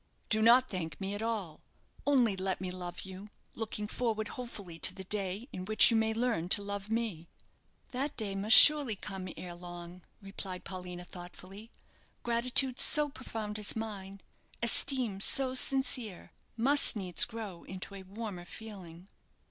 "Do not thank me at all. Only let me love you, looking forward hopefully to the day in which you may learn to love me." "That day must surely come ere long," replied Paulina, thoughtfully. "Gratitude so profound as mine, esteem so sincere, must needs grow into a warmer feeling."